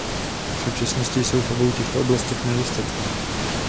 V současnosti jsou v obou těchto oblastech nedostatky.